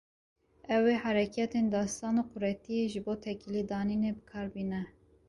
Ew ê hereketên destan û quretiyê ji bo têkilîdanînê bi kar bîne.